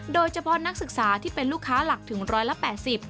โดยเฉพาะนักศึกษาที่เป็นลูกค้าหลักถึง๑๘๐บาท